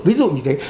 ví dụ như thế